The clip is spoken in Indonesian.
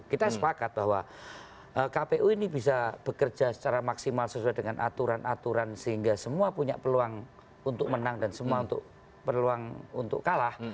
kita sepakat bahwa kpu ini bisa bekerja secara maksimal sesuai dengan aturan aturan sehingga semua punya peluang untuk menang dan semua untuk peluang untuk kalah